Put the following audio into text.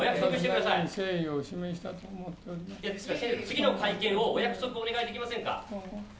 次の会見をお約束できませんか。